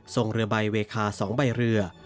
ส่งเรือใบเวคา๒ใบเรือ